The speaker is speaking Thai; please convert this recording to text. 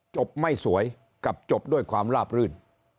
ไม่สวยกับจบด้วยความลาบรื่น